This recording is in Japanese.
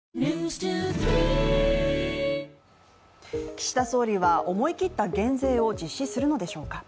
岸田総理は、思い切った減税を実施するのでしょうか。